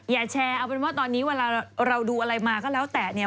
อย่าแชร์เอาเป็นว่าตอนนี้เวลาเราดูอะไรมาก็แล้วแต่เนี่ย